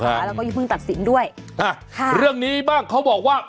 แล้วก็อย่าเพิ่งตัดสินด้วยอ่ะค่ะเรื่องนี้บ้างเขาบอกว่า